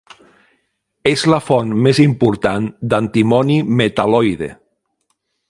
És la font més important d'antimoni metal·loide.